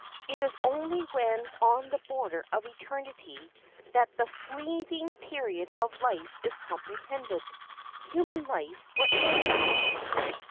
It is only when on the border of eternity that the fleeting period of life is comprehended. Human life, what is it?